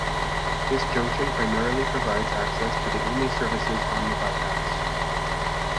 This junction primarily provides access to the only services on the bypass.